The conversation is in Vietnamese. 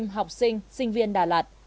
học sinh sinh viên đà lạt